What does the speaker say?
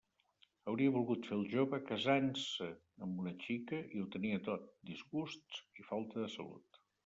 Havia volgut fer el jove casant-se amb una xica, i ho tenia tot: disgusts i falta de salut.